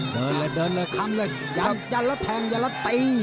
เดินเลยเดินเลยคำเลยอย่าละแทงอย่าละตี